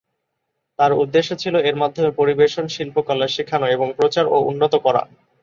তাঁর উদ্দেশ্য ছিল এর মাধ্যমে পরিবেশন শিল্পকলা শেখানো এবং প্রচার ও উন্নত করা।